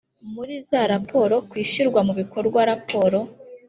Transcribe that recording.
Muri za raporo ku ishyirwa mu bikorwa raporo